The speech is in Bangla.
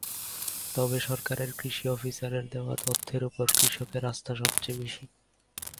তবে সরকারের কৃষি অফিসারের দেওয়া তথ্যের ওপর কৃষকের আস্থা সবচেয়ে বেশি।